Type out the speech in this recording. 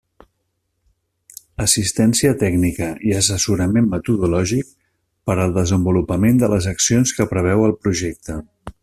Assistència tècnica i assessorament metodològic per al desenvolupament de les accions que preveu el projecte.